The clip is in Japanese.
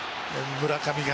村上が！